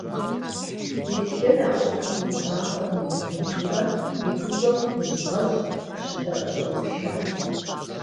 Беслъэн а ӏуэхум ирибампӀэм, иригубжьурэ, и гущӀэм гужьгъэжь къыщызэщӀэушат.